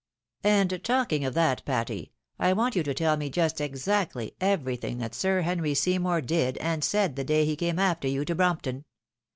And talking of that, Patty, I want you to tell me just exactly everything that Sir Henry Seymour did and said the day he came after you to Brompton.